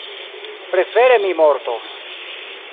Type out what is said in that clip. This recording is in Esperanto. Prefere mi mortos!